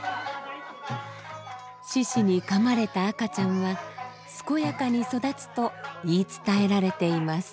獅子にかまれた赤ちゃんは健やかに育つと言い伝えられています。